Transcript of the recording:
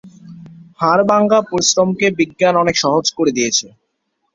হাড় ভাঙা পরিশ্রমকে বিজ্ঞান অনেক সহজ করে দিয়েছে।